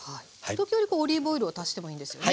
時折オリーブオイルを足してもいいんですよね？